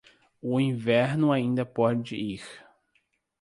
O inverno ainda pode ir